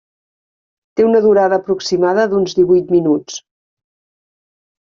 Té una durada aproximada d'uns divuit minuts.